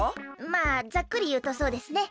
まあざっくりいうとそうですね。